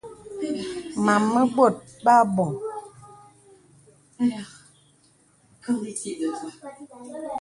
Mām mə bōt bə aboŋ.